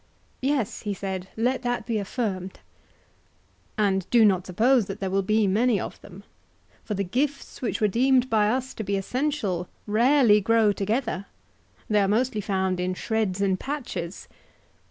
Yes, he said, let that be affirmed. And do not suppose that there will be many of them; for the gifts which were deemed by us to be essential rarely grow together; they are mostly found in shreds and patches.